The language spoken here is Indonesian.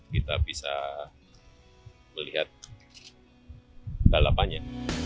kita bisa melihat balapannya